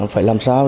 phải làm sao